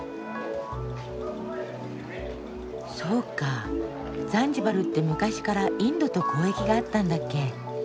そうかザンジバルって昔からインドと交易があったんだっけ。